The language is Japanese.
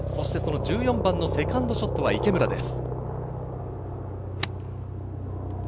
１４番のセカンドショットは池村です。